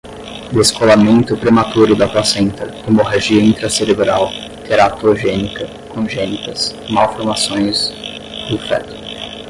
descolamento prematuro da placenta, hemorragia intracerebral, teratogênica, congênitas, malformações do feto